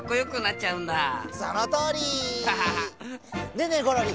ねえねえゴロリ